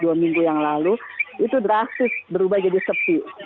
tiba tiba di tahun yang lalu itu drastis berubah jadi sepi